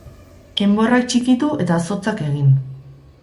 Enborrak txikitu eta zotzak egin.